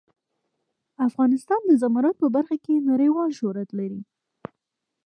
افغانستان د زمرد په برخه کې نړیوال شهرت لري.